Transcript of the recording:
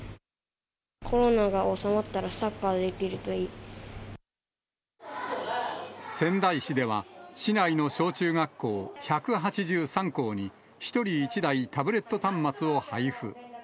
コロナが収まったら、サッカ仙台市では、市内の小中学校１８３校に１人１台タブレット端末を配布。